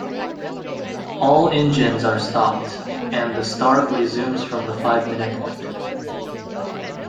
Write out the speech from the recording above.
All engines are stopped and the start resumes from the five-minute point.